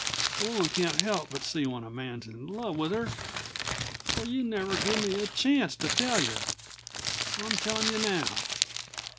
A woman can't help but see when a man's in love with her. But you've never give me a chance to tell you. I'm tellin' you now.